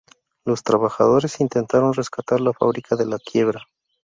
Los trabajadores intentaron rescatar la fábrica de la quiebra.